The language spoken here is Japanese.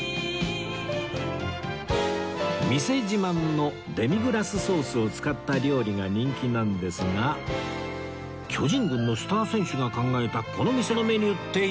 店自慢のデミグラスソースを使った料理が人気なんですが巨人軍のスター選手が考えたこの店のメニューって一体？